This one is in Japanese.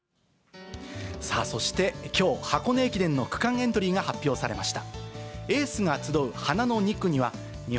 そしてきょう、箱根駅伝の区間エントリーが発表されました。